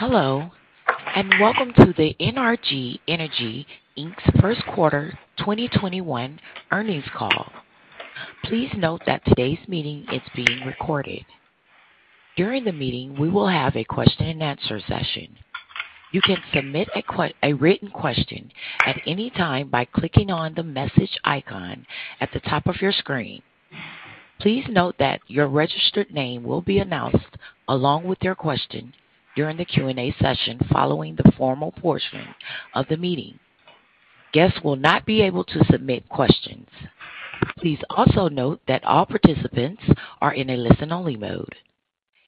Hello. Welcome to the NRG Energy, Inc.'s first quarter 2021 earnings call. Please note that today's meeting is being recorded. During the meeting, we will have a question and answer session. You can submit a written question at any time by clicking on the message icon at the top of your screen. Please note that your registered name will be announced along with your question during the Q&A session following the formal portion of the meeting. Guests will not be able to submit questions. Please also note that all participants are in a listen-only mode.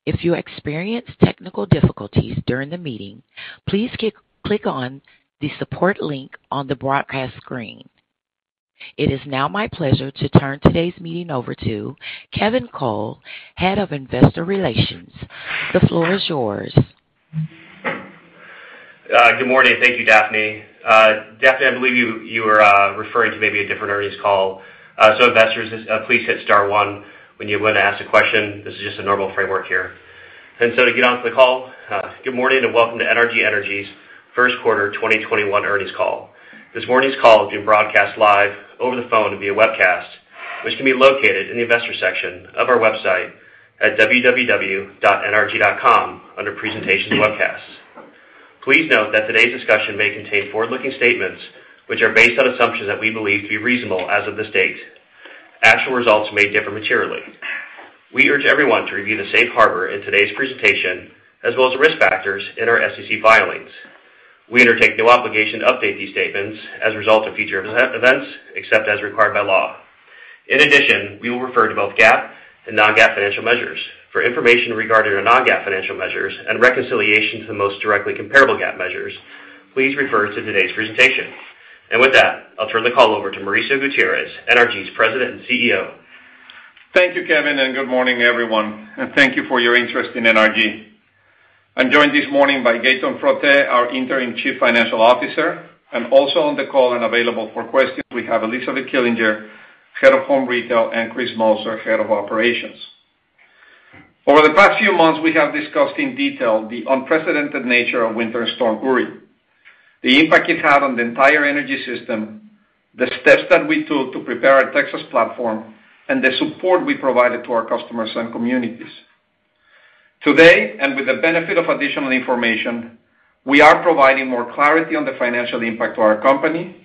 If you experience technical difficulties during the meeting, please click on the support link on the broadcast screen. It is now my pleasure to turn today's meeting over to Kevin Cole, Head of Investor Relations. The floor is yours. Good morning. Thank you, Daphne. Daphne, I believe you were referring to maybe a different earnings call. Investors, please hit star one when you want to ask a question. This is just a normal framework here. To get on to the call, good morning and welcome to NRG Energy's first quarter 2021 earnings call. This morning's call is being broadcast live over the phone and via webcast, which can be located in the Investors section of our website at www.nrg.com under Presentations Webcasts. Please note that today's discussion may contain forward-looking statements, which are based on assumptions that we believe to be reasonable as of this date. Actual results may differ materially. We urge everyone to review the safe harbor in today's presentation, as well as the risk factors in our SEC filings. We undertake no obligation to update these statements as a result of future events, except as required by law. We will refer to both GAAP and non-GAAP financial measures. For information regarding our non-GAAP financial measures and reconciliation to the most directly comparable GAAP measures, please refer to today's presentation. I'll turn the call over to Mauricio Gutierrez, NRG's President and CEO. Thank you, Kevin, and good morning, everyone, and thank you for your interest in NRG. I'm joined this morning by Gaetan Frotte, our interim Chief Financial Officer, and also on the call and available for questions, we have Elizabeth Killinger, head of home retail, and Chris Moser, head of operations. Over the past few months, we have discussed in detail the unprecedented nature of Winter Storm Uri, the impact it had on the entire energy system, the steps that we took to prepare our Texas platform, and the support we provided to our customers and communities. Today, and with the benefit of additional information, we are providing more clarity on the financial impact to our company,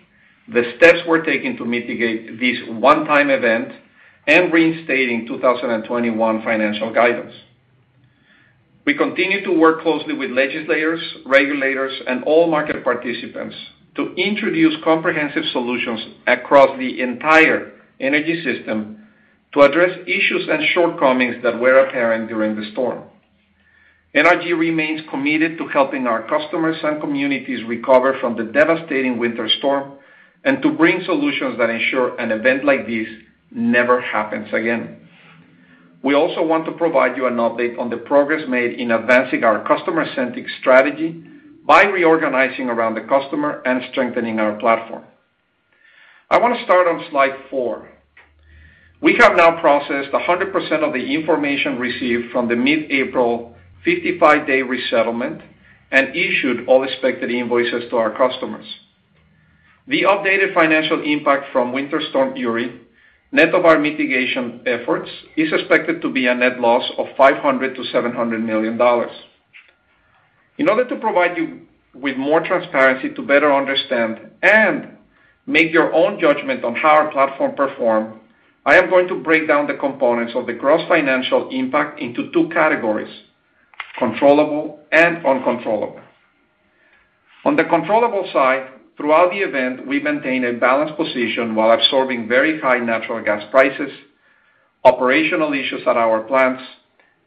the steps we're taking to mitigate this one-time event, and reinstating 2021 financial guidance. We continue to work closely with legislators, regulators, and all market participants to introduce comprehensive solutions across the entire energy system to address issues and shortcomings that were apparent during the storm. NRG remains committed to helping our customers and communities recover from the devastating winter storm and to bring solutions that ensure an event like this never happens again. We also want to provide you an update on the progress made in advancing our customer-centric strategy by reorganizing around the customer and strengthening our platform. I want to start on slide four. We have now processed 100% of the information received from the mid-April 55-day resettlement and issued all expected invoices to our customers. The updated financial impact from Winter Storm Uri, net of our mitigation efforts, is expected to be a net loss of $500 million-$700 million. In order to provide you with more transparency to better understand and make your own judgment on how our platform performed, I am going to break down the components of the gross financial impact into two categories: controllable and uncontrollable. On the controllable side, throughout the event, we maintained a balanced position while absorbing very high natural gas prices, operational issues at our plants,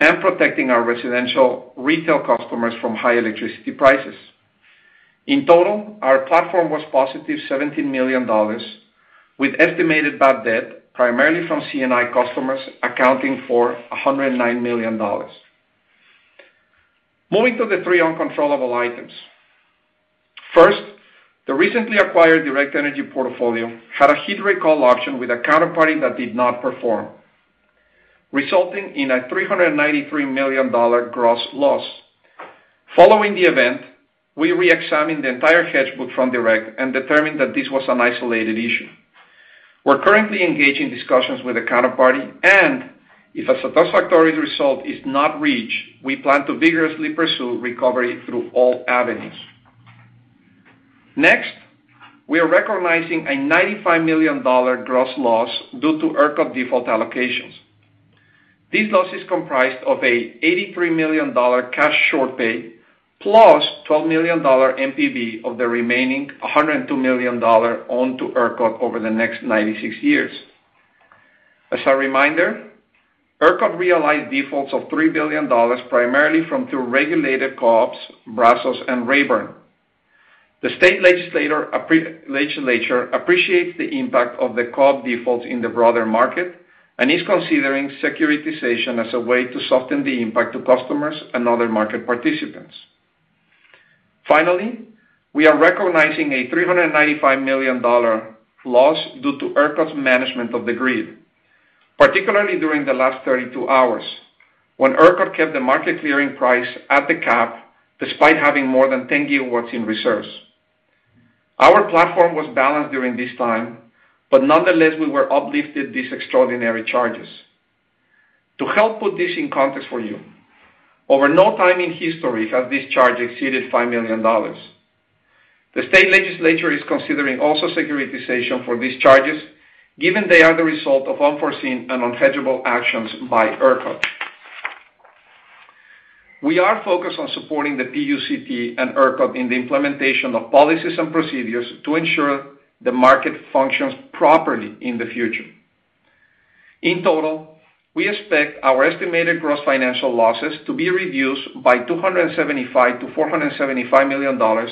and protecting our residential retail customers from high electricity prices. In total, our platform was positive $17 million, with estimated bad debt, primarily from C&I customers, accounting for $109 million. Moving to the three uncontrollable items. First, the recently acquired Direct Energy portfolio had a heat rate call option with a counterparty that did not perform, resulting in a $393 million gross loss. Following the event, we re-examined the entire hedge book from Direct and determined that this was an isolated issue. We're currently engaged in discussions with the counterparty, and if a satisfactory result is not reached, we plan to vigorously pursue recovery through all avenues. Next, we are recognizing a $95 million gross loss due to ERCOT default allocations. This loss is comprised of an $83 million cash short pay, plus $12 million NPV of the remaining $102 million owed to ERCOT over the next 96 years. As a reminder, ERCOT realized defaults of $3 billion, primarily from two regulated co-ops, Brazos and Rayburn. The state Legislature appreciates the impact of the co-op defaults in the broader market and is considering securitization as a way to soften the impact to customers and other market participants. Finally, we are recognizing a $395 million loss due to ERCOT's management of the grid, particularly during the last 32 hours, when ERCOT kept the market-clearing price at the cap despite having more than 10 gigawatts in reserves. Our platform was balanced during this time, but nonetheless, we were uplifted these extraordinary charges. To help put this in context for you, over no time in history has this charge exceeded $5 million. The state Legislature is considering also securitization for these charges, given they are the result of unforeseen and unhedgeable actions by ERCOT. We are focused on supporting the PUCT and ERCOT in the implementation of policies and procedures to ensure the market functions properly in the future. In total, we expect our estimated gross financial losses to be reduced by $275 million to $475 million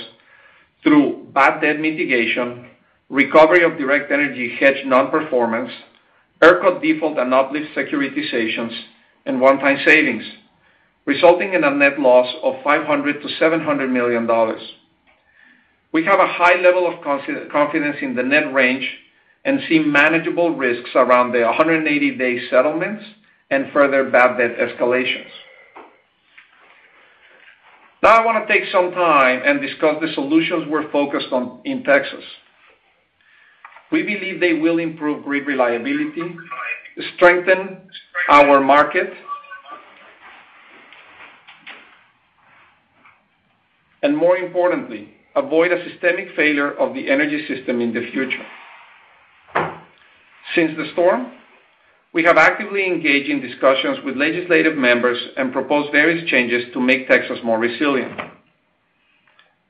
through bad debt mitigation, recovery of Direct Energy hedge non-performance, ERCOT default and uplift securitizations, and one-time savings, resulting in a net loss of $500 million-$700 million. We have a high level of confidence in the net range and see manageable risks around the 180-day settlements and further bad debt escalations. I want to take some time and discuss the solutions we're focused on in Texas. We believe they will improve grid reliability, strengthen our market, and more importantly, avoid a systemic failure of the energy system in the future. Since the storm, we have actively engaged in discussions with legislative members and proposed various changes to make Texas more resilient.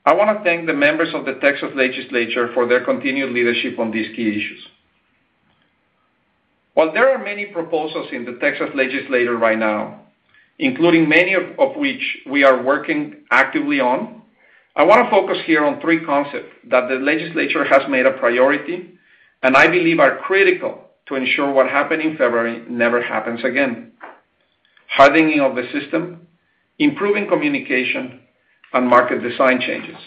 I want to thank the members of the Texas Legislature for their continued leadership on these key issues. While there are many proposals in the Texas Legislature right now, including many of which we are working actively on, I want to focus here on three concepts that the legislature has made a priority, and I believe are critical to ensure what happened in February never happens again: hardening of the system, improving communication, and market design changes.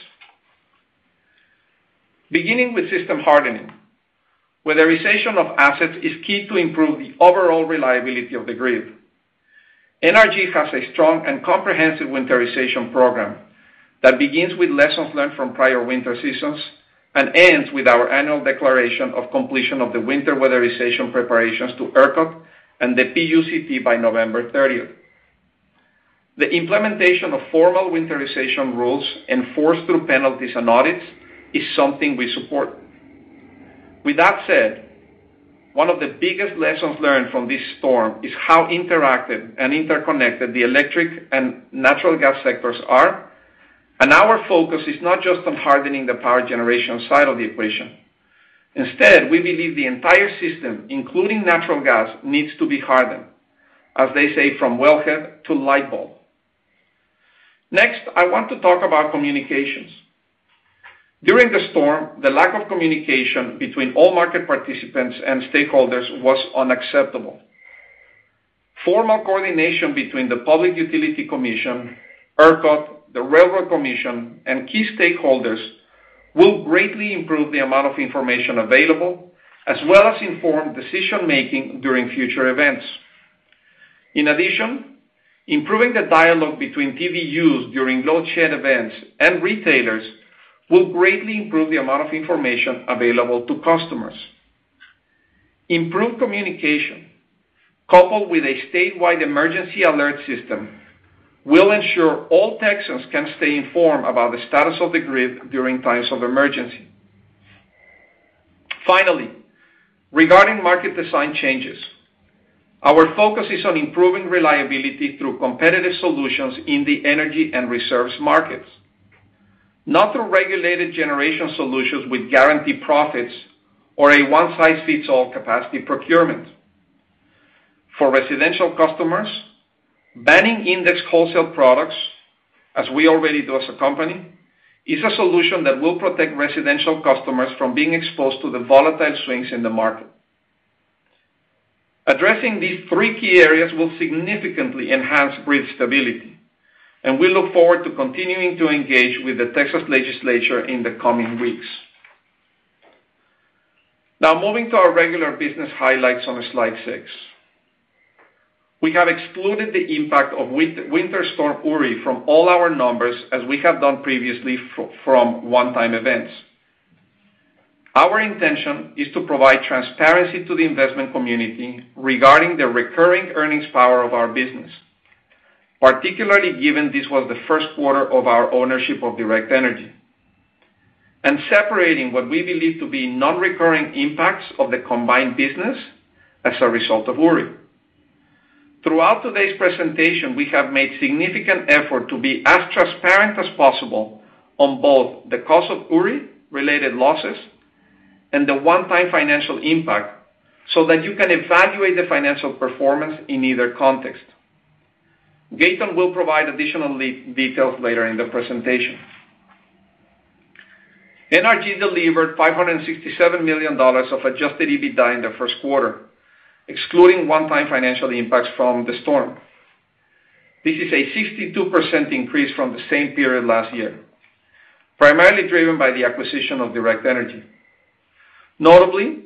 Beginning with system hardening. Weatherization of assets is key to improve the overall reliability of the grid. NRG has a strong and comprehensive winterization program that begins with lessons learned from prior winter seasons and ends with our annual declaration of completion of the winter weatherization preparations to ERCOT and the PUCT by November 30th. The implementation of formal winterization rules enforced through penalties and audits is something we support. With that said, one of the biggest lessons learned from this storm is how interactive and interconnected the electric and natural gas sectors are, and our focus is not just on hardening the power generation side of the equation. Instead, we believe the entire system, including natural gas, needs to be hardened, as they say, from wellhead to light bulb. Next, I want to talk about communications. During the storm, the lack of communication between all market participants and stakeholders was unacceptable. Formal coordination between the Public Utility Commission, ERCOT, the Railroad Commission, and key stakeholders will greatly improve the amount of information available, as well as inform decision-making during future events. In addition, improving the dialogue between TDUs during load shed events and retailers will greatly improve the amount of information available to customers. Improved communication, coupled with a statewide emergency alert system, will ensure all Texans can stay informed about the status of the grid during times of emergency. Finally, regarding market design changes. Our focus is on improving reliability through competitive solutions in the energy and reserves markets, not through regulated generation solutions with guaranteed profits or a one-size-fits-all capacity procurement. For residential customers, banning index wholesale products, as we already do as a company, is a solution that will protect residential customers from being exposed to the volatile swings in the market. Addressing these three key areas will significantly enhance grid stability, and we look forward to continuing to engage with the Texas Legislature in the coming weeks. Now, moving to our regular business highlights on slide six. We have excluded the impact of Winter Storm Uri from all our numbers, as we have done previously from one-time events. Our intention is to provide transparency to the investment community regarding the recurring earnings power of our business, particularly given this was the first quarter of our ownership of Direct Energy, and separating what we believe to be non-recurring impacts of the combined business as a result of Uri. Throughout today's presentation, we have made significant effort to be as transparent as possible on both the cost of Uri-related losses and the one-time financial impact so that you can evaluate the financial performance in either context. Gaetan will provide additional details later in the presentation. NRG delivered $567 million of adjusted EBITDA in the first quarter, excluding one-time financial impacts from the storm. This is a 62% increase from the same period last year, primarily driven by the acquisition of Direct Energy. Notably,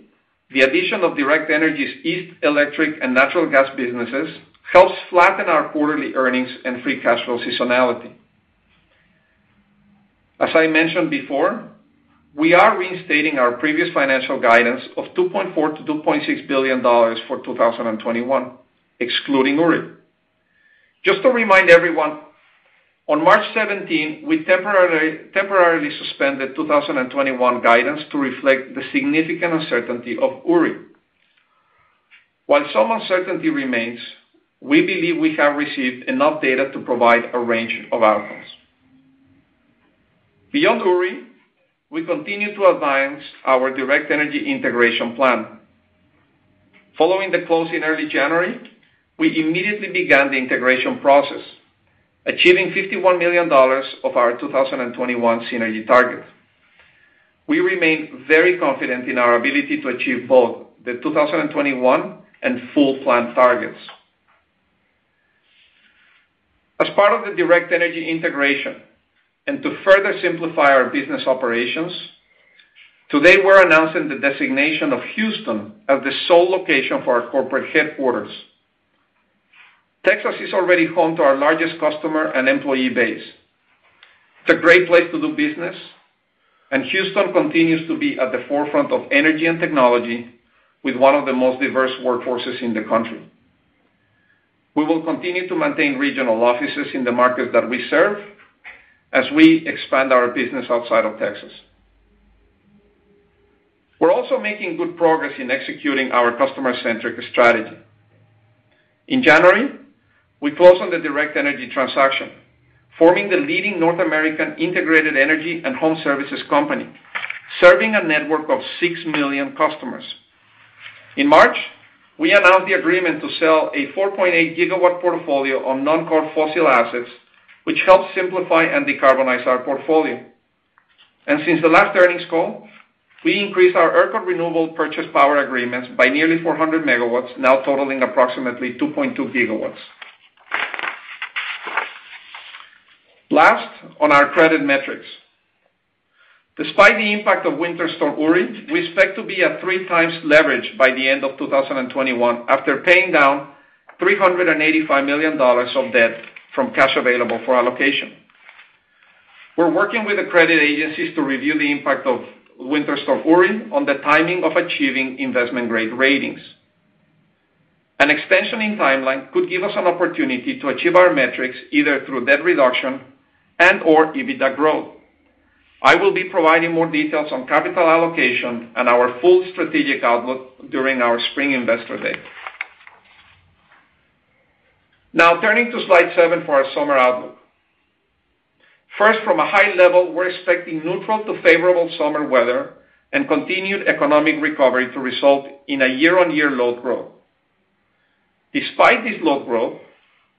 the addition of Direct Energy's East electric and natural gas businesses helps flatten our quarterly earnings and free cash flow seasonality. As I mentioned before, we are reinstating our previous financial guidance of $2.4 billion-$2.6 billion for 2021, excluding Uri. Just to remind everyone, on March 17, we temporarily suspended 2021 guidance to reflect the significant uncertainty of Uri. While some uncertainty remains, we believe we have received enough data to provide a range of outcomes. Beyond Uri, we continue to advance our Direct Energy Integration Plan. Following the close in early January, we immediately began the integration process, achieving $51 million of our 2021 synergy target. We remain very confident in our ability to achieve both the 2021 and full plan targets. As part of the Direct Energy integration and to further simplify our business operations, today we're announcing the designation of Houston as the sole location for our corporate headquarters. Texas is already home to our largest customer and employee base. It's a great place to do business and Houston continues to be at the forefront of energy and technology with one of the most diverse workforces in the country. We will continue to maintain regional offices in the markets that we serve as we expand our business outside of Texas. We're also making good progress in executing our customer-centric strategy. In January, we closed on the Direct Energy transaction, forming the leading North American integrated energy and home services company, serving a network of 6 million customers. In March, we announced the agreement to sell a 4.8 GW portfolio on non-core fossil assets, which helps simplify and decarbonize our portfolio. Since the last earnings call, we increased our ERCOT renewable purchase power agreements by nearly 400 MW, now totaling approximately 2.2 GW. Last, on our credit metrics. Despite the impact of Winter Storm Uri, we expect to be at three times leverage by the end of 2021 after paying down $385 million of debt from cash available for allocation. We're working with the credit agencies to review the impact of Winter Storm Uri on the timing of achieving investment-grade ratings. An extension in timeline could give us an opportunity to achieve our metrics either through debt reduction and/or EBITDA growth. I will be providing more details on capital allocation and our full strategic outlook during our spring investor day. Turning to slide seven for our summer outlook. First, from a high level, we're expecting neutral to favorable summer weather and continued economic recovery to result in a year-on-year load growth. Despite this load growth,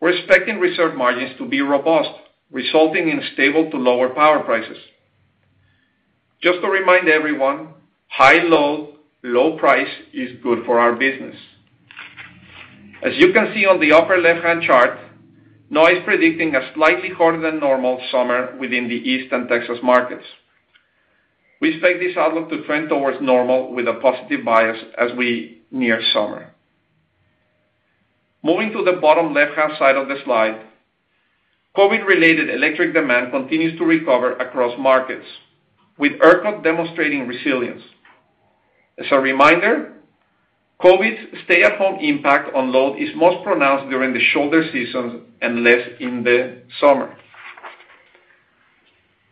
we're expecting reserve margins to be robust, resulting in stable to lower power prices. Just to remind everyone, high load, low price is good for our business. As you can see on the upper left-hand chart, NOAA is predicting a slightly hotter than normal summer within the East and Texas markets. We expect this outlook to trend towards normal with a positive bias as we near summer. Moving to the bottom left-hand side of the slide. COVID-related electric demand continues to recover across markets, with ERCOT demonstrating resilience. As a reminder, COVID's stay-at-home impact on load is most pronounced during the shoulder seasons and less in the summer.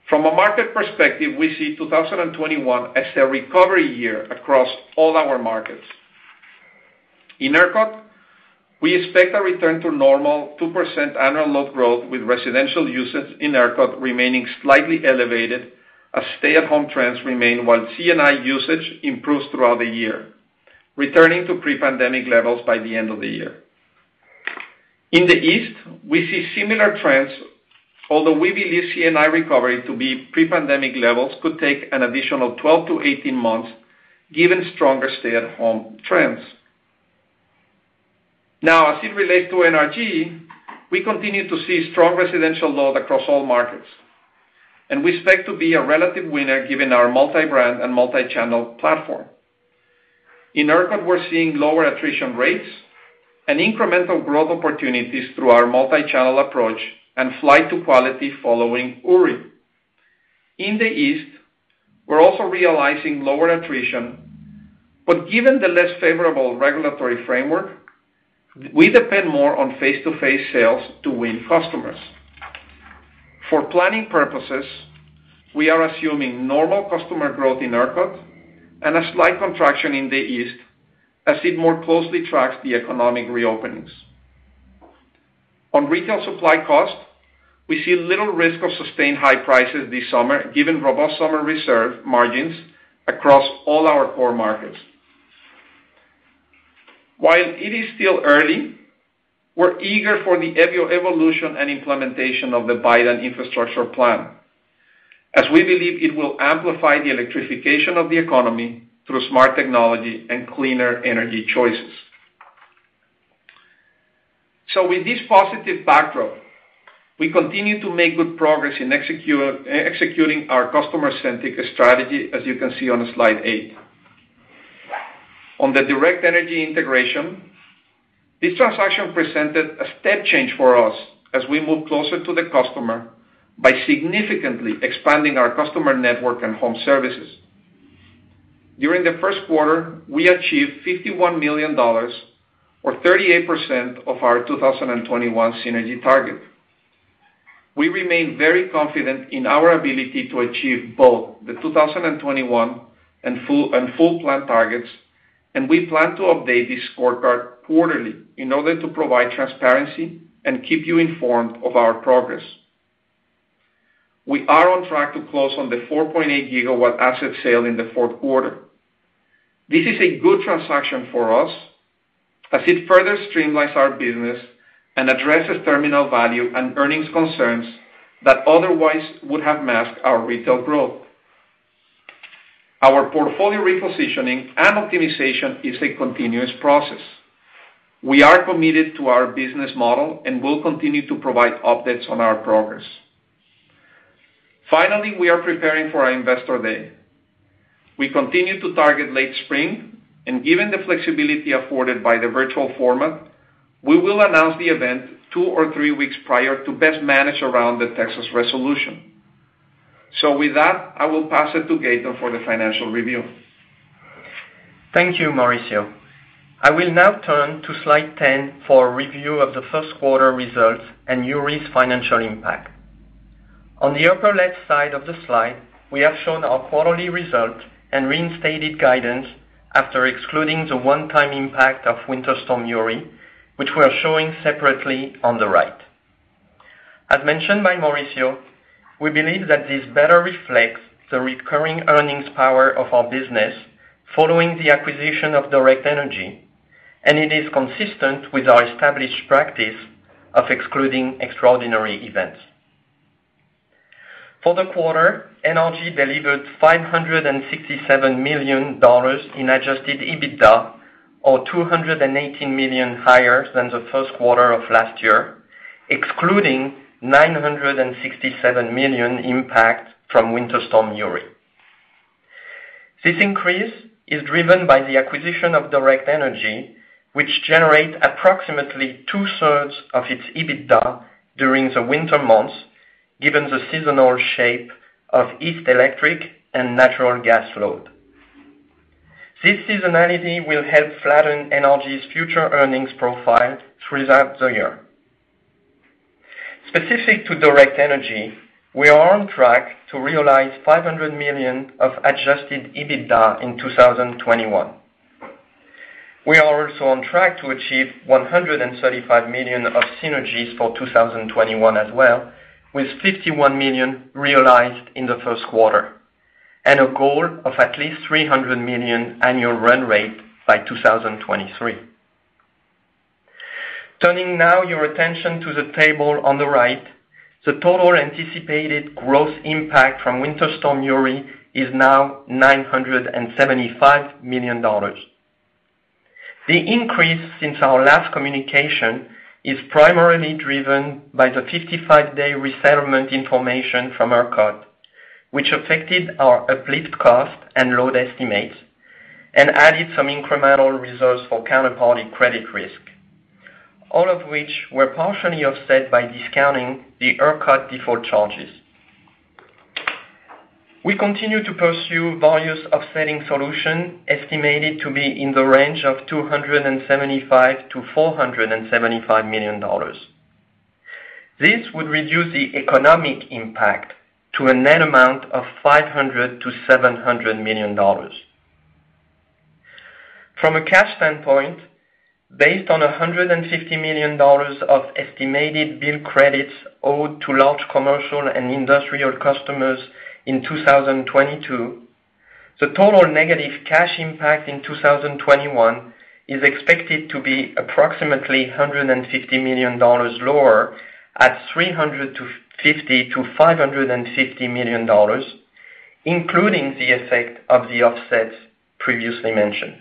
From a market perspective, we see 2021 as a recovery year across all our markets. In ERCOT, we expect a return to normal 2% annual load growth, with residential usage in ERCOT remaining slightly elevated as stay-at-home trends remain, while C&I usage improves throughout the year, returning to pre-pandemic levels by the end of the year. In the East, we see similar trends, although we believe C&I recovery to be pre-pandemic levels could take an additional 12-18 months given stronger stay-at-home trends. As it relates to NRG, we continue to see strong residential load across all markets, and we expect to be a relative winner given our multi-brand and multi-channel platform. In ERCOT, we're seeing lower attrition rates and incremental growth opportunities through our multi-channel approach and flight to quality following Uri. In the East, we're also realizing lower attrition, given the less favorable regulatory framework, we depend more on face-to-face sales to win customers. For planning purposes, we are assuming normal customer growth in ERCOT and a slight contraction in the East as it more closely tracks the economic reopenings. On retail supply cost, we see little risk of sustained high prices this summer, given robust summer reserve margins across all our core markets. While it is still early, we're eager for the evolution and implementation of the Biden infrastructure plan, as we believe it will amplify the electrification of the economy through smart technology and cleaner energy choices. With this positive backdrop, we continue to make good progress in executing our customer-centric strategy, as you can see on slide eight. On the Direct Energy integration, this transaction presented a step change for us as we move closer to the customer by significantly expanding our customer network and home services. During the first quarter, we achieved $51 million, or 38% of our 2021 synergy target. We remain very confident in our ability to achieve both the 2021 and full plan targets. We plan to update this scorecard quarterly in order to provide transparency and keep you informed of our progress. We are on track to close on the 4.8 G asset sale in the fourth quarter. This is a good transaction for us as it further streamlines our business and addresses terminal value and earnings concerns that otherwise would have masked our retail growth. Our portfolio repositioning and optimization is a continuous process. We are committed to our business model and will continue to provide updates on our progress. Finally, we are preparing for our investor day. We continue to target late spring, and given the flexibility afforded by the virtual format, we will announce the event two or three weeks prior to best manage around the Texas resolution. With that, I will pass it to Gaetan Frotte for the financial review. Thank you, Mauricio. I will now turn to slide 10 for a review of the first quarter results and Uri's financial impact. On the upper left side of the slide, we have shown our quarterly results and reinstated guidance after excluding the one-time impact of Winter Storm Uri, which we're showing separately on the right. As mentioned by Mauricio, we believe that this better reflects the recurring earnings power of our business following the acquisition of Direct Energy, and it is consistent with our established practice of excluding extraordinary events. For the quarter, NRG delivered $567 million in adjusted EBITDA, or $218 million higher than the first quarter of last year, excluding $967 million impact from Winter Storm Uri. This increase is driven by the acquisition of Direct Energy, which generate approximately 2/3 of its EBITDA during the winter months, given the seasonal shape of East electric and natural gas load. This seasonality will help flatten NRG's future earnings profile throughout the year. Specific to Direct Energy, we are on track to realize $500 million of adjusted EBITDA in 2021. We are also on track to achieve $135 million of synergies for 2021 as well, with $51 million realized in the first quarter, and a goal of at least $300 million annual run rate by 2023. Turning now your attention to the table on the right, the total anticipated gross impact from Winter Storm Uri is now $975 million. The increase since our last communication is primarily driven by the 55-day resettlement information from ERCOT, which affected our uplift cost and load estimates and added some incremental reserves for counterparty credit risk, all of which were partially offset by discounting the ERCOT default charges. We continue to pursue various offsetting solution estimated to be in the range of $275 million-$475 million. This would reduce the economic impact to a net amount of $500 million-$700 million. From a cash standpoint, based on $150 million of estimated bill credits owed to large commercial and industrial customers in 2022, the total negative cash impact in 2021 is expected to be approximately $150 million lower at $350 million-$550 million, including the effect of the offsets previously mentioned.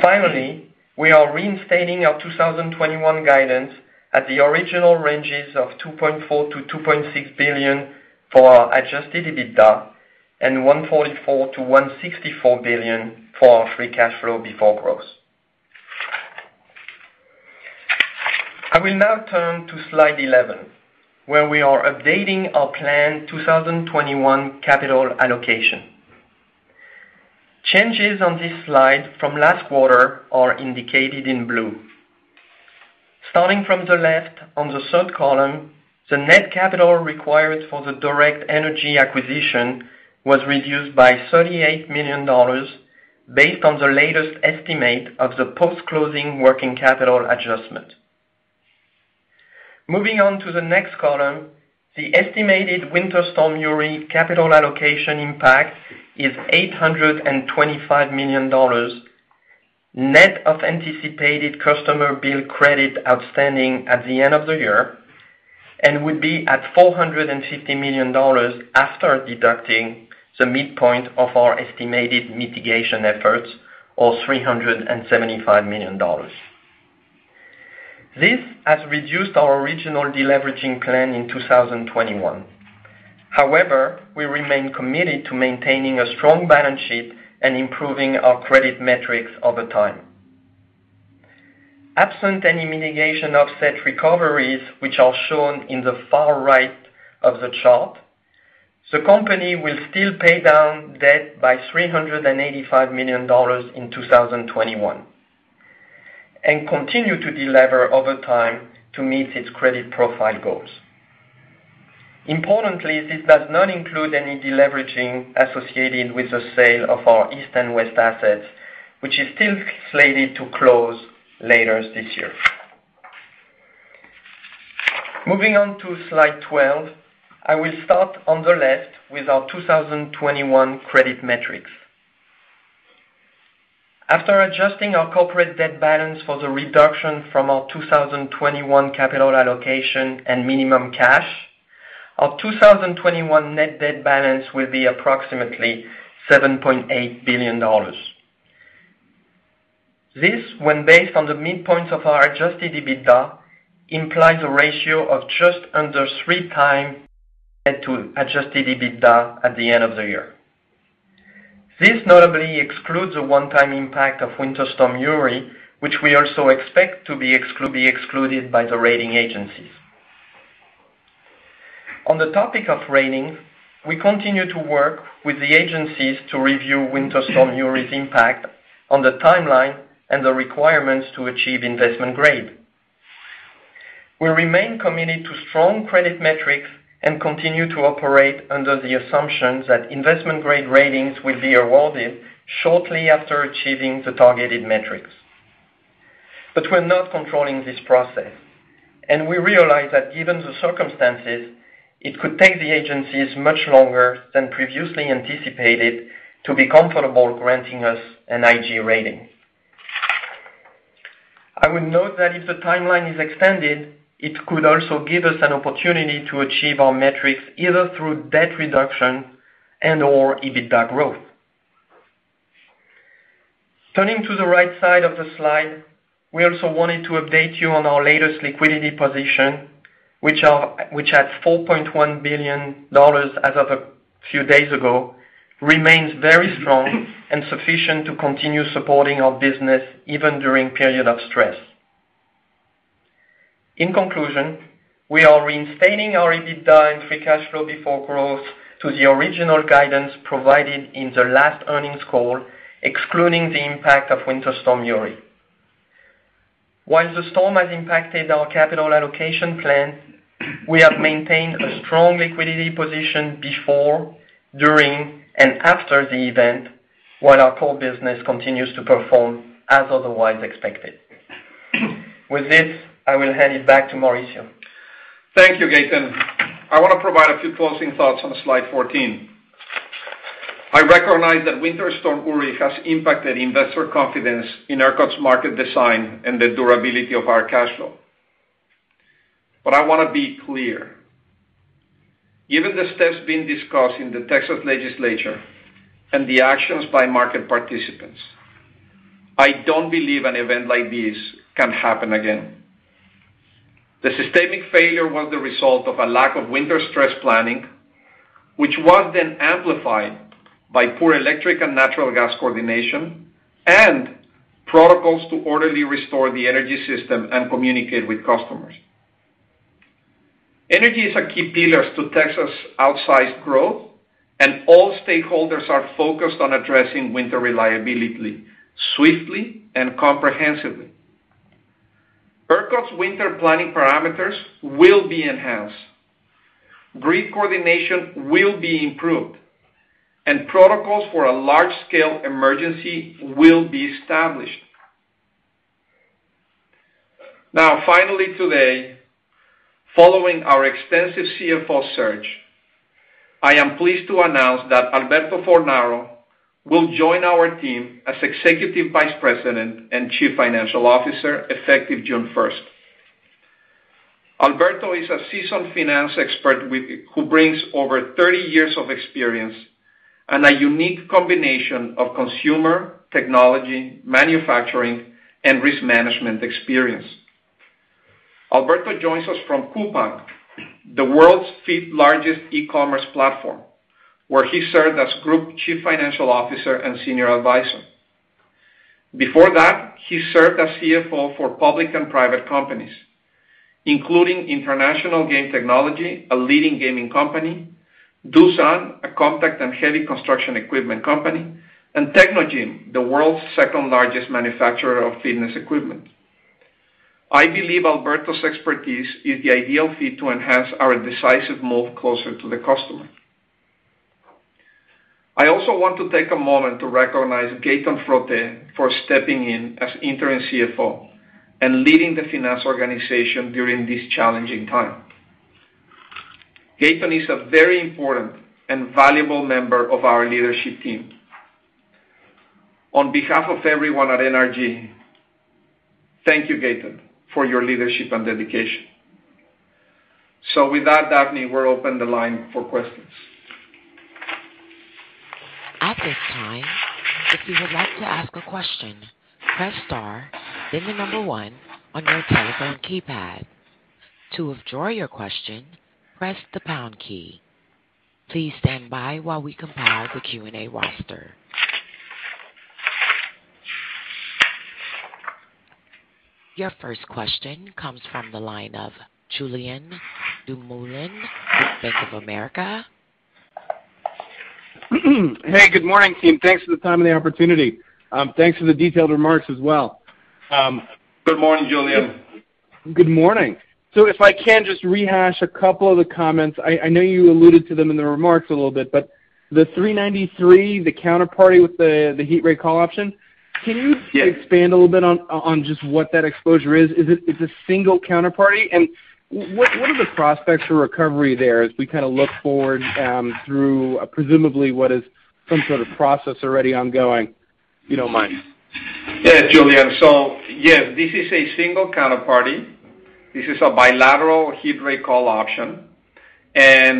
Finally, we are reinstating our 2021 guidance at the original ranges of $2.4 billion-$2.6 billion for our adjusted EBITDA and $144 billion-$164 billion for our free cash flow before growth. I will now turn to slide 11, where we are updating our plan 2021 capital allocation. Changes on this slide from last quarter are indicated in blue. Starting from the left on the third column, the net capital required for the Direct Energy acquisition was reduced by $38 million based on the latest estimate of the post-closing working capital adjustment. Moving on to the next column, the estimated Winter Storm Uri capital allocation impact is $825 million, net of anticipated customer bill credit outstanding at the end of the year, and would be at $450 million after deducting the midpoint of our estimated mitigation efforts of $375 million. This has reduced our original deleveraging plan in 2021. However, we remain committed to maintaining a strong balance sheet and improving our credit metrics over time. Absent any mitigation offset recoveries, which are shown in the far right of the chart, the company will still pay down debt by $385 million in 2021, and continue to delever over time to meet its credit profile goals. Importantly, this does not include any deleveraging associated with the sale of our East and West assets, which is still slated to close later this year. Moving on to slide 12, I will start on the left with our 2021 credit metrics. After adjusting our corporate debt balance for the reduction from our 2021 capital allocation and minimum cash, our 2021 net debt balance will be approximately $7.8 billion. This, when based on the midpoints of our adjusted EBITDA, implies a ratio of just under three times net to adjusted EBITDA at the end of the year. This notably excludes the one-time impact of Winter Storm Uri, which we also expect to be excluded by the rating agencies. On the topic of rating, we continue to work with the agencies to review Winter Storm Uri's impact on the timeline and the requirements to achieve investment grade. We remain committed to strong credit metrics and continue to operate under the assumption that investment grade ratings will be awarded shortly after achieving the targeted metrics, but we are not controlling this process. We realize that given the circumstances, it could take the agencies much longer than previously anticipated to be comfortable granting us an IG rating. I would note that if the timeline is extended, it could also give us an opportunity to achieve our metrics either through debt reduction and/or EBITDA growth. Turning to the right side of the slide, we also wanted to update you on our latest liquidity position, which at $4.1 billion as of a few days ago, remains very strong and sufficient to continue supporting our business even during period of stress. In conclusion, we are reinstating our EBITDA and free cash flow before growth to the original guidance provided in the last earnings call, excluding the impact of Winter Storm Uri. While the storm has impacted our capital allocation plan, we have maintained a strong liquidity position before, during, and after the event, while our core business continues to perform as otherwise expected. With this, I will hand it back to Mauricio. Thank you, Gaetan Frotte. I want to provide a few closing thoughts on slide 14. I recognize that Winter Storm Uri has impacted investor confidence in ERCOT's market design and the durability of our cash flow. I want to be clear. Given the steps being discussed in the Texas Legislature and the actions by market participants, I don't believe an event like this can happen again. The systemic failure was the result of a lack of winter stress planning, which was then amplified by poor electric and natural gas coordination, and protocols to orderly restore the energy system and communicate with customers. Energy is a key pillar to Texas' outsized growth, and all stakeholders are focused on addressing winter reliability swiftly and comprehensively. ERCOT's winter planning parameters will be enhanced. Grid coordination will be improved, and protocols for a large-scale emergency will be established. Now, finally today, following our extensive CFO search, I am pleased to announce that Alberto Fornaro will join our team as Executive Vice President and Chief Financial Officer effective June 1st. Alberto is a seasoned finance expert who brings over 30 years of experience and a unique combination of consumer, technology, manufacturing, and risk management experience. Alberto joins us from Coupang, the world's fifth-largest e-commerce platform, where he served as Group Chief Financial Officer and Senior Advisor. Before that, he served as CFO for public and private companies, including International Game Technology, a leading gaming company, Doosan, a compact and heavy construction equipment company, and Technogym, the world's second-largest manufacturer of fitness equipment. I believe Alberto's expertise is the ideal fit to enhance our decisive move closer to the customer. I also want to take a moment to recognize Gaetan Frotte for stepping in as interim CFO and leading the finance organization during this challenging time. Gaetan is a very important and valuable member of our leadership team. On behalf of everyone at NRG, thank you, Gaetan, for your leadership and dedication. With that, Daphne, we'll open the line for questions. Please stand by while we compile the Q&A roster. Your first question comes from the line of Julien Dumoulin-Smith with Bank of America. Hey, good morning, team. Thanks for the time and the opportunity. Thanks for the detailed remarks as well. Good morning, Julien. Good morning. If I can just rehash a couple of the comments. I know you alluded to them in the remarks a little bit, but the 393, the counterparty with the heat rate call option. Yes. Can you just expand a little bit on just what that exposure is? Is it a single counterparty? What are the prospects for recovery there as we kind of look forward through presumably what is some sort of process already ongoing? You don't mind. Yes, Julien. Yes, this is a single counterparty. This is a bilateral heat rate call option. The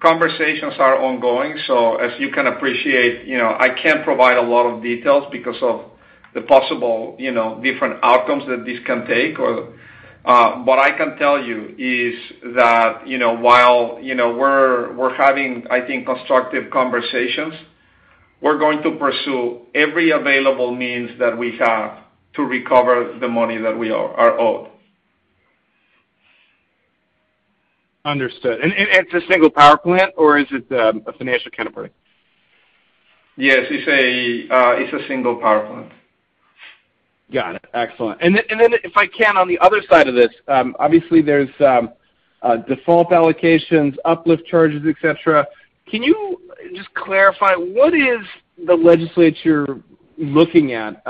conversations are ongoing, so as you can appreciate, I can't provide a lot of details because of the possible different outcomes that this can take. What I can tell you is that, while we're having, I think, constructive conversations, we're going to pursue every available means that we have to recover the money that we are owed. Understood. It's a single power plant or is it a financial counterparty? Yes, it's a single power plant. Got it. Excellent. If I can, on the other side of this, obviously there's default allocations, uplift charges, et cetera. Can you just clarify what is the legislature looking at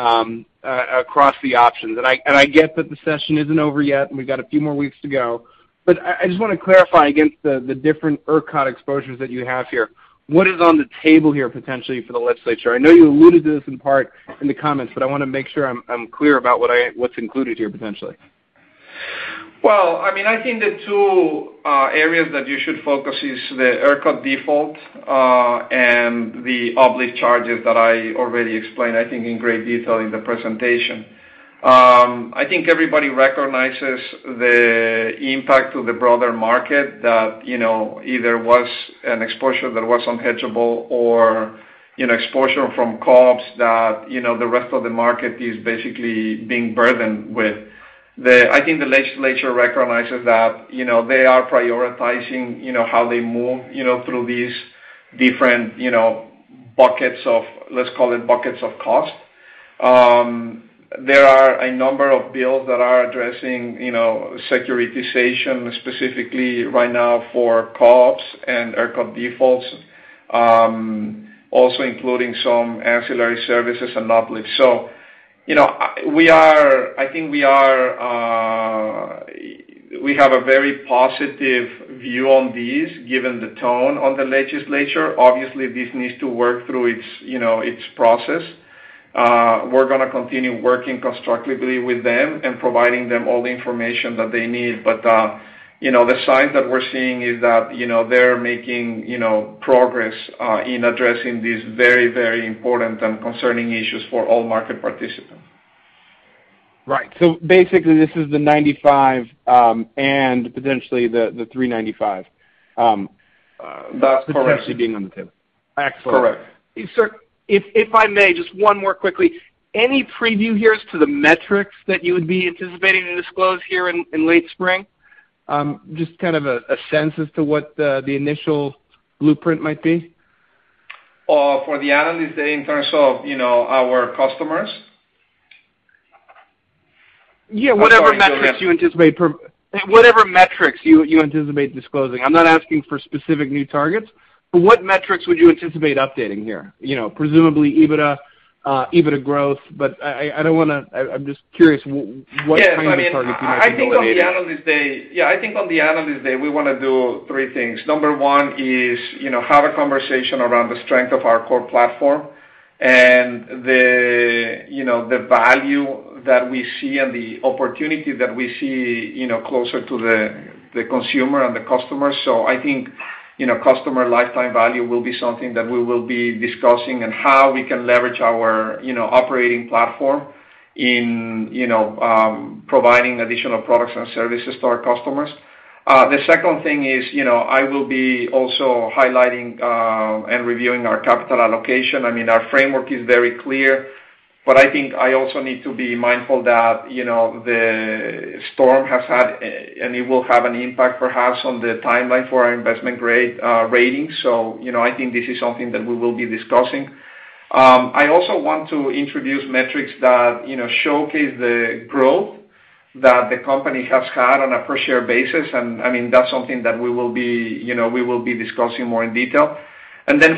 across the options? I get that the session isn't over yet, and we've got a few more weeks to go, but I just want to clarify against the different ERCOT exposures that you have here. What is on the table here potentially for the legislature? I know you alluded to this in part in the comments, but I want to make sure I'm clear about what's included here potentially. I think the two areas that you should focus is the ERCOT default, and the uplift charges that I already explained, I think in great detail in the presentation. I think everybody recognizes the impact to the broader market that, either was an exposure that was unhedgable or exposure from co-ops that the rest of the market is basically being burdened with. I think the Legislature recognizes that they are prioritizing how they move through these different buckets of, let's call it buckets of cost. There are a number of bills that are addressing securitization specifically right now for co-ops and ERCOT defaults. Also including some ancillary services and uplifts. I think we have a very positive view on these, given the tone of the Legislature. Obviously, this needs to work through its process. We're going to continue working constructively with them and providing them all the information that they need. The signs that we're seeing is that they're making progress in addressing these very, very important and concerning issues for all market participants. Right. Basically, this is the 95, and potentially the 395. That's correct. potentially being on the table. Excellent. Correct. Sir, if I may, just one more quickly. Any preview here as to the metrics that you would be anticipating to disclose here in late spring? Just kind of a sense as to what the initial blueprint might be. For the Analyst Day in terms of our customers? Yeah- I'm sorry, Julien. whatever metrics you anticipate disclosing. I'm not asking for specific new targets, but what metrics would you anticipate updating here? Presumably EBITDA growth, but I'm just curious what kind of targets you might be evaluating. Yes. I think on the Analyst Day we want to do three things. Number one is, have a conversation around the strength of our core platform and the value that we see and the opportunity that we see closer to the consumer and the customer. I think customer lifetime value will be something that we will be discussing and how we can leverage our operating platform in providing additional products and services to our customers. The second thing is, I will be also highlighting, and reviewing our capital allocation. Our framework is very clear, I think I also need to be mindful that the storm has had, and it will have an impact perhaps on the timeline for our investment ratings. I think this is something that we will be discussing. I also want to introduce metrics that showcase the growth that the company has had on a per-share basis, and that's something that we will be discussing more in detail.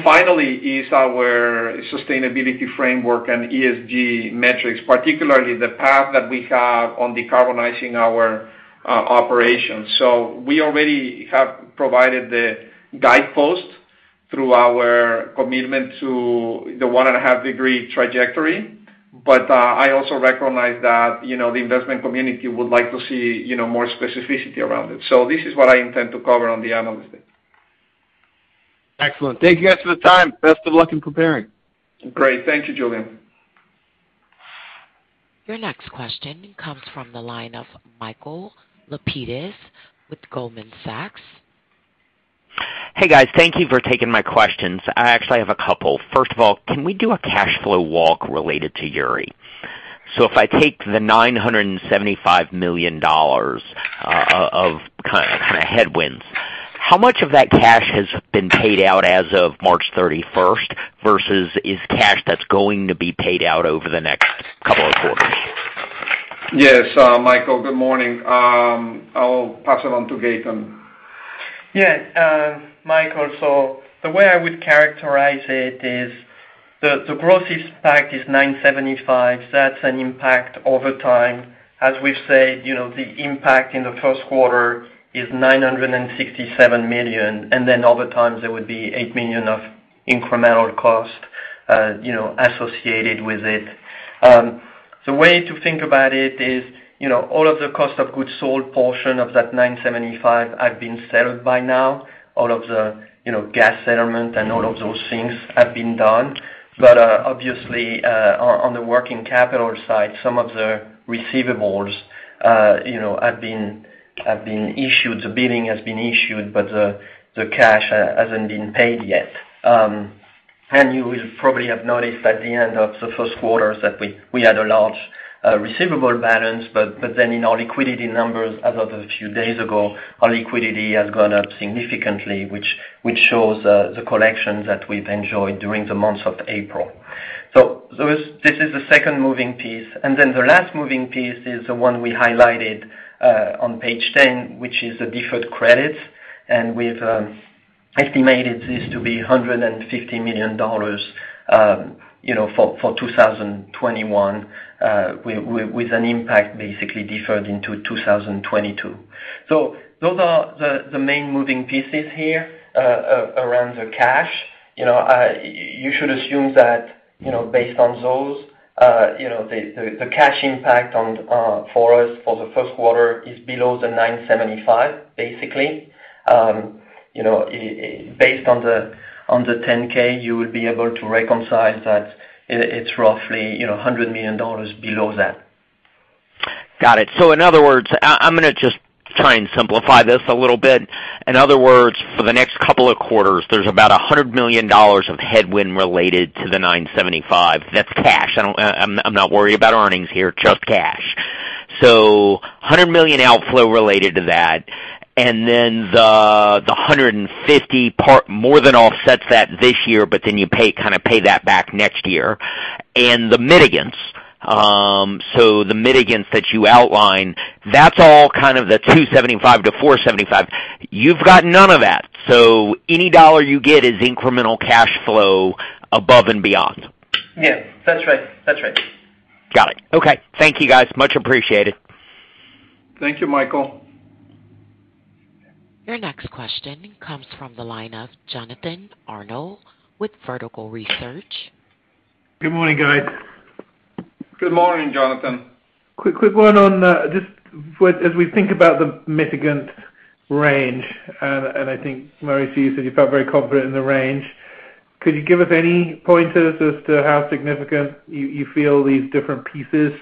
Finally is our sustainability framework and ESG metrics, particularly the path that we have on decarbonizing our operations. We already have provided the guidepost through our commitment to the one and a half degree trajectory. I also recognize that the investment community would like to see more specificity around it. This is what I intend to cover on the Analyst Day. Excellent. Thank you guys for the time. Best of luck in preparing. Great. Thank you, Julien. Your next question comes from the line of Michael Lapides with Goldman Sachs. Hey, guys. Thank you for taking my questions. I actually have a couple. First of all, can we do a cash flow walk related to Uri? If I take the $975 million of headwinds, how much of that cash has been paid out as of March 31st, versus is cash that's going to be paid out over the next couple of quarters? Yes, Michael, good morning. I'll pass it on to Gaetan. Yeah. Michael, the way I would characterize it is the gross impact is $975. That's an impact over time. As we've said, the impact in the first quarter is $967 million, then over time there would be $8 million of incremental cost associated with it. The way to think about it is all of the cost of goods sold portion of that $975 have been settled by now. All of the gas settlement and all of those things have been done. Obviously, on the working capital side, some of the receivables have been issued. The billing has been issued, the cash hasn't been paid yet. You will probably have noticed at the end of the first quarter that we had a large receivable balance, in our liquidity numbers as of a few days ago, our liquidity has gone up significantly, which shows the collections that we've enjoyed during the month of April. This is the second moving piece. The last moving piece is the one we highlighted on page 10, which is the deferred credits. We've estimated this to be $150 million for 2021, with an impact basically deferred into 2022. Those are the main moving pieces here around the cash. You should assume that based on those, the cash impact for us for the first quarter is below $975. Based on the 10-K, you would be able to reconcile that it's roughly $100 million below that. Got it. In other words, I'm going to just try and simplify this a little. In other words, for the next couple of quarters, there's about $100 million of headwind related to the $975. That's cash. I'm not worried about earnings here, just cash. $100 million outflow related to that, and then the $150 million more than offsets that this year, but then you pay that back next year. The mitigants. The mitigants that you outlined, that's all kind of the $275 million-$475 million. You've got none of that. Any dollar you get is incremental cash flow above and beyond. Yeah, that's right. Got it. Okay. Thank you guys, much appreciated. Thank you, Michael. Your next question comes from the line of Jonathan Arnold with Vertical Research. Good morning, guys. Good morning, Jonathan. Quick one on just as we think about the mitigant range, and I think, Mauricio Gutierrez, so you said you felt very confident in the range. Could you give us any pointers as to how significant you feel these different pieces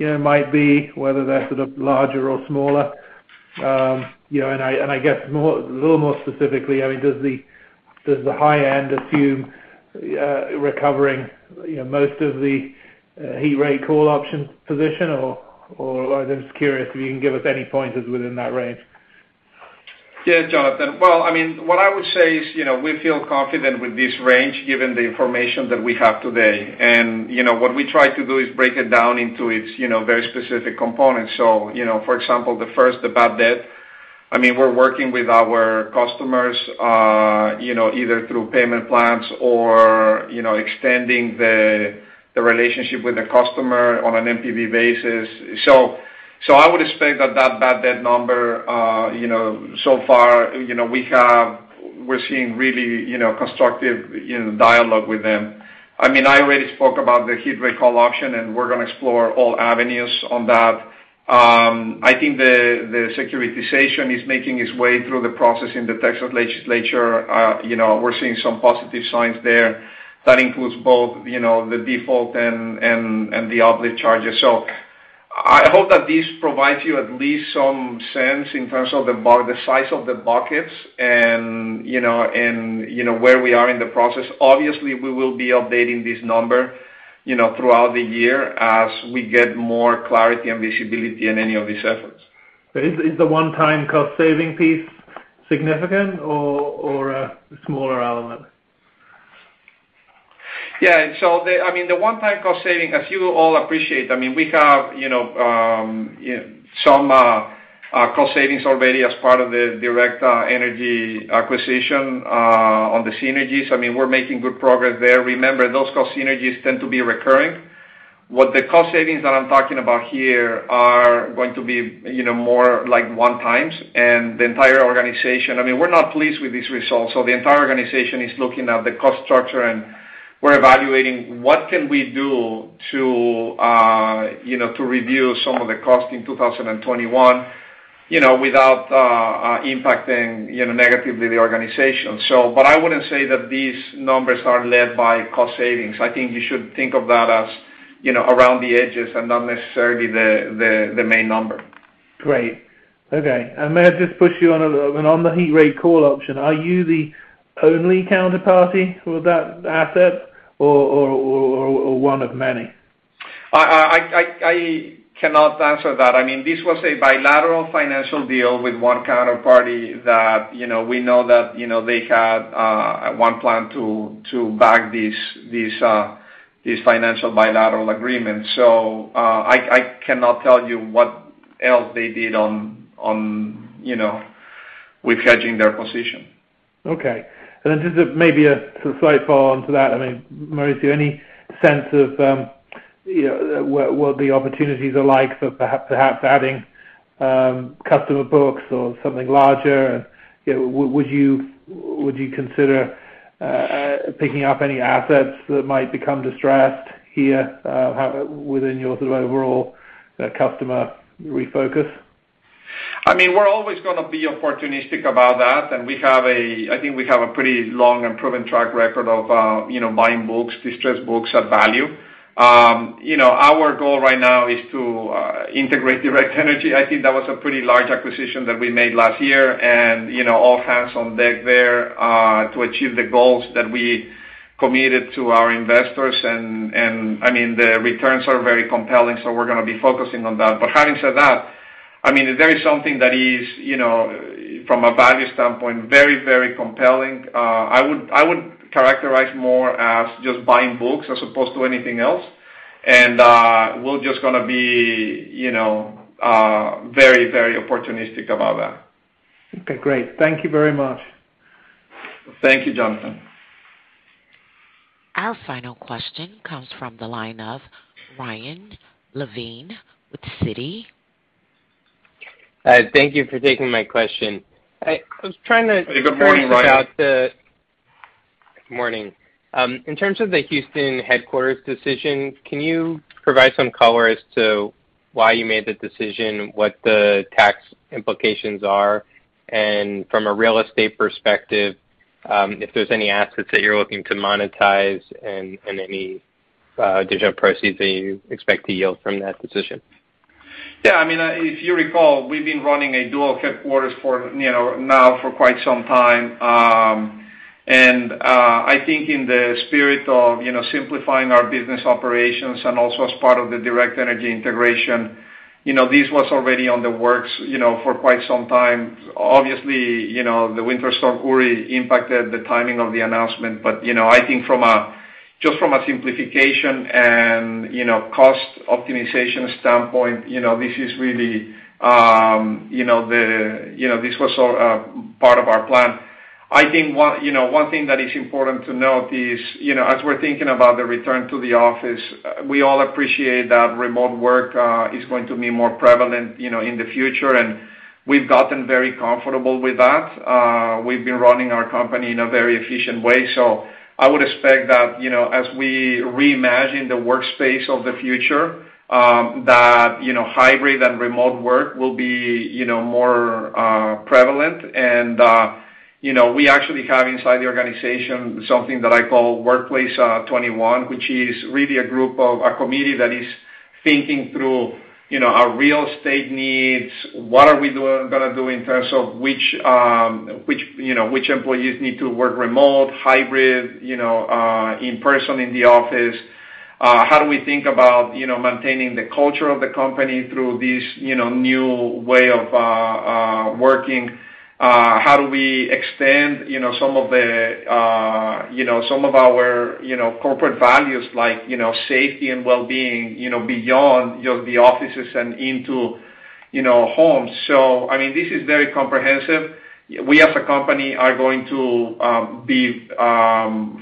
might be, whether they're sort of larger or smaller? I guess a little more specifically, does the high end assume recovering most of the heat rate call option position, or I'm just curious if you can give us any pointers within that range. Jonathan. What I would say is we feel confident with this range given the information that we have today. What we try to do is break it down into its very specific components. For example, the first, the bad debt, we're working with our customers either through payment plans or extending the relationship with the customer on an NPV basis. I would expect that that bad debt number so far, we're seeing really constructive dialogue with them. I already spoke about the heat rate call option. We're going to explore all avenues on that. I think the securitization is making its way through the process in the Texas Legislature. We're seeing some positive signs there. That includes both the default and the uplift charges. I hope that this provides you at least some sense in terms of the size of the buckets and where we are in the process. Obviously, we will be updating this number throughout the year as we get more clarity and visibility in any of these efforts. Is the one-time cost-saving piece significant or a smaller element? The one-time cost saving, as you all appreciate, we have some cost savings already as part of the Direct Energy acquisition on the synergies. We're making good progress there. Remember, those cost synergies tend to be recurring. What the cost savings that I'm talking about here are going to be more like one times, and the entire organization. We're not pleased with these results, so the entire organization is looking at the cost structure, and we're evaluating what can we do to review some of the cost in 2021 without impacting negatively the organization. I wouldn't say that these numbers are led by cost savings. I think you should think of that as around the edges and not necessarily the main number. Great. Okay. May I just push you on the heat rate call option? Are you the only counterparty for that asset or one of many? I cannot answer that. This was a bilateral financial deal with one counterparty that we know that they had one plan to back this financial bilateral agreement. I cannot tell you what else they did on with hedging their position. Okay. Just maybe a slight follow-on to that, Mauricio, any sense of what the opportunities are like for perhaps adding customer books or something larger? Would you consider picking up any assets that might become distressed here within your sort of overall customer refocus? We're always going to be opportunistic about that. I think we have a pretty long and proven track record of buying books, distressed books at value. Our goal right now is to integrate Direct Energy. I think that was a pretty large acquisition that we made last year. All hands on deck there to achieve the goals that we committed to our investors, and the returns are very compelling, so we're going to be focusing on that. Having said that, if there is something that is, from a value standpoint, very compelling, I would characterize more as just buying books as opposed to anything else. We'll just going to be very opportunistic about that. Okay, great. Thank you very much. Thank you, Jonathan. Our final question comes from the line of Ryan Levine with Citi. Thank you for taking my question. Good morning, Ryan. Good morning. In terms of the Houston headquarters decision, can you provide some color as to why you made the decision, what the tax implications are? From a real estate perspective, if there's any assets that you're looking to monetize and any additional proceeds that you expect to yield from that decision? Yeah. If you recall, we've been running a dual headquarters now for quite some time. I think in the spirit of simplifying our business operations and also as part of the Direct Energy integration, this was already in the works for quite some time. Obviously, the winter storm impacted the timing of the announcement. I think just from a simplification and cost optimization standpoint, this was part of our plan. I think one thing that is important to note is, as we're thinking about the return to the office, we all appreciate that remote work is going to be more prevalent in the future, and we've gotten very comfortable with that. We've been running our company in a very efficient way. I would expect that as we reimagine the workspace of the future, that hybrid and remote work will be more prevalent. We actually have inside the organization something that I call Workplace 21, which is really a committee that is thinking through our real estate needs. What are we going to do in terms of which employees need to work remote, hybrid, in person in the office? How do we think about maintaining the culture of the company through this new way of working? How do we extend some of our corporate values like safety and well-being beyond just the offices and into homes? This is very comprehensive. We, as a company, are going to be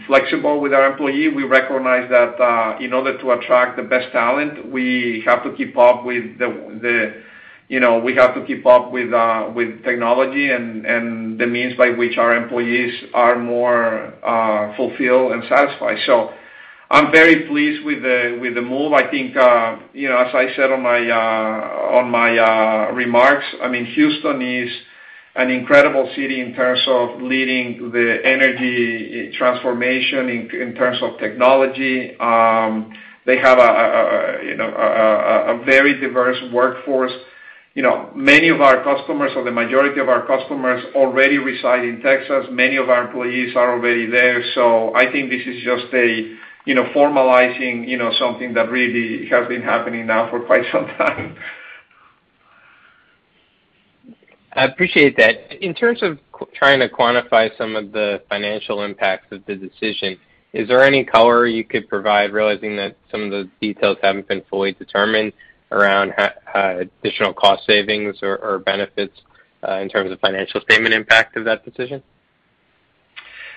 flexible with our employee. We recognize that in order to attract the best talent, we have to keep up with technology and the means by which our employees are more fulfilled and satisfied. I'm very pleased with the move. I think, as I said on my remarks, Houston is an incredible city in terms of leading the energy transformation in terms of technology. They have a very diverse workforce. Many of our customers, or the majority of our customers already reside in Texas. Many of our employees are already there. I think this is just formalizing something that really has been happening now for quite some time. I appreciate that. In terms of trying to quantify some of the financial impacts of the decision, is there any color you could provide, realizing that some of the details haven't been fully determined around additional cost savings or benefits in terms of financial statement impact of that decision?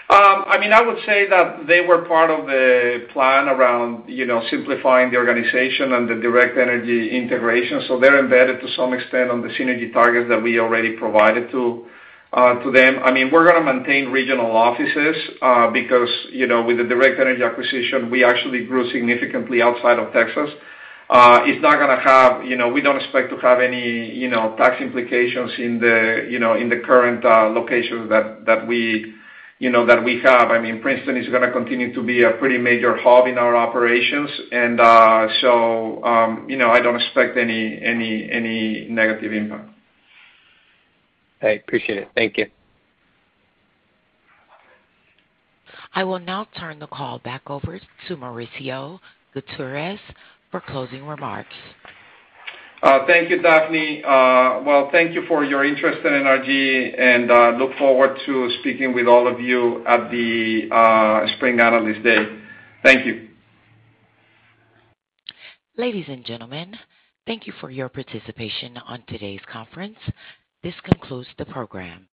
I would say that they were part of the plan around simplifying the organization and the Direct Energy integration. They're embedded to some extent on the synergy targets that we already provided to them. We're going to maintain regional offices, because with the Direct Energy acquisition, we actually grew significantly outside of Texas. We don't expect to have any tax implications in the current locations that we have. Princeton is going to continue to be a pretty major hub in our operations. I don't expect any negative impact. I appreciate it. Thank you. I will now turn the call back over to Mauricio Gutierrez for closing remarks. Thank you, Daphne. Well, thank you for your interest in NRG, and look forward to speaking with all of you at the Spring Analyst Day. Thank you. Ladies and gentlemen, thank you for your participation on today's conference. This concludes the program.